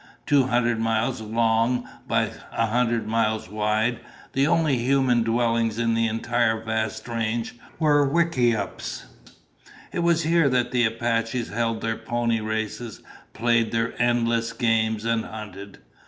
Two hundred miles long by a hundred miles wide, the only human dwellings in the entire vast range were wickiups. It was here that the Apaches held their pony races, played their endless games, and hunted.